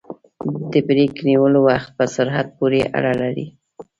د بریک نیولو وخت په سرعت پورې اړه لري